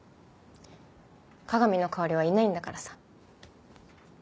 加賀美の代わりはいないんだからさ。